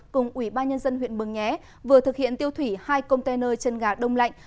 cùng ủy ban nhân dân huyện mường nhé vừa thực hiện tiêu thủy hai container chân gà đông lạnh